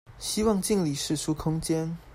希望盡力釋出空間